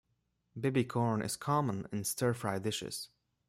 Baby corn is common in stir fry dishes.